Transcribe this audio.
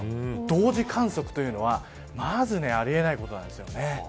同時観測というのはまずあり得ないことなんです。